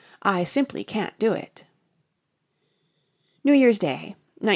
I simply can't do it. New Year's Day, 1917.